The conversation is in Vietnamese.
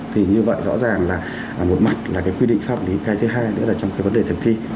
thì như vậy rõ ràng là một mặt là cái quy định pháp lý cái thứ hai nữa là trong cái vấn đề thực thi